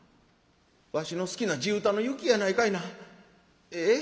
わしの好きな地唄の『雪』やないかいな。